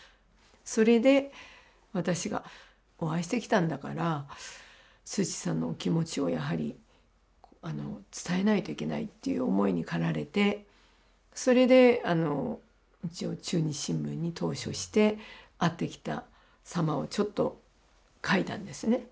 それで私がお会いしてきたんだからスー・チーさんのお気持ちをやはり伝えないといけないっていう思いに駆られてそれで中日新聞に投書して会ってきたさまをちょっと書いたんですね。